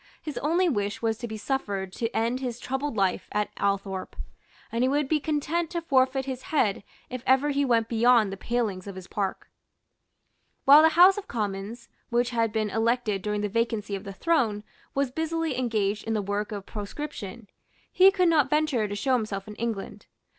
His only wish was to be suffered to end his troubled life at Althorpe; and he would be content to forfeit his head if ever he went beyond the palings of his park. While the House of Commons, which had been elected during the vacancy of the throne, was busily engaged in the work of proscription, he could not venture to show himself in England.